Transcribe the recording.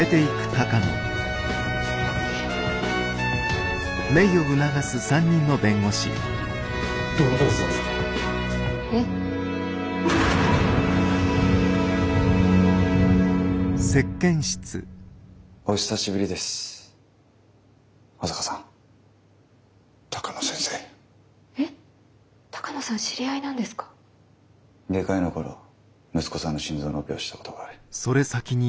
外科医の頃息子さんの心臓のオペをしたことがある。